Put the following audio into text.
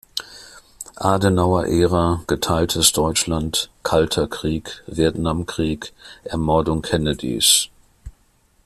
Adenauer-Ära, Geteiltes Deutschland, Kalter Krieg, Vietnamkrieg, Ermordung Kennedys.